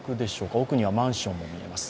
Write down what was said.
奥にはマンションも見えます。